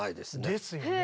ですよね。